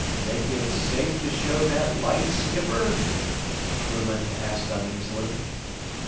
"Think it's safe to show that light, skipper?" a crewman asked uneasily.